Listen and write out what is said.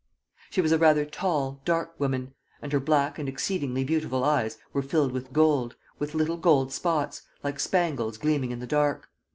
She was a rather tall, dark woman; and her black and exceedingly beautiful eyes were filled with gold, with little gold spots, like spangles gleaming in the dark.